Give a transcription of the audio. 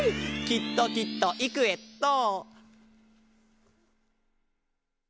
きっときっといくエット！